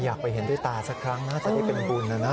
อยากไปเห็นด้วยตาสักครั้งนะจะได้เป็นบุญนะนะ